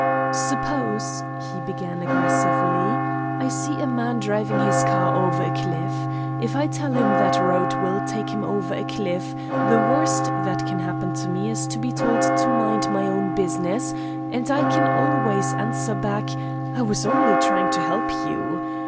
"Suppose," he began aggressively, "I see a man driving his car over a cliff. If I tell him that road will take him over a cliff, the worst that can happen to me is to be told to mind my own business, and I can always answer back: 'I was only trying to help you.'